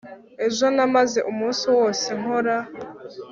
ejo namaze umunsi wose nkora